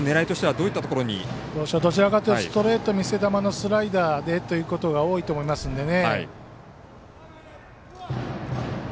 どちらかというとストレート、見せ球のスライダーでということが多くなると思いますんでね。